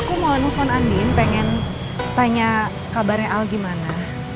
aku mau nelfon andin pengen tanya kabarnya al gimana